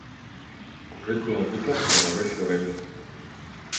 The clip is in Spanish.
Curriculum vitae de Mauricio Reina